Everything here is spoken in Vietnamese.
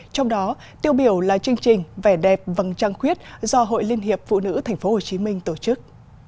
trong đó tiêu biểu là chương trình vẻ đẹp vầng trăng khuyết do hội liên hiệp phụ nữ tp hcm tổ chức